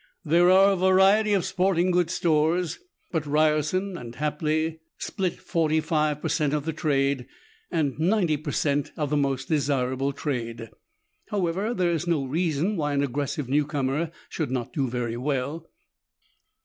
There are a variety of sporting goods stores, but Ryerson and Hapley split forty five per cent of the trade and ninety per cent of the most desirable trade. However, there is no reason why an aggressive newcomer should not do very well."